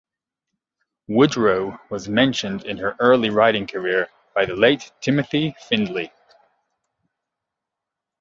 Woodrow was mentored in her early writing career by the late Timothy Findley.